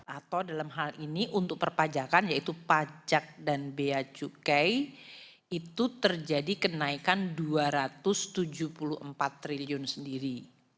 atau dalam hal ini untuk perpajakan yaitu pajak dan bea cukai itu terjadi kenaikan rp dua ratus tujuh puluh empat triliun sendiri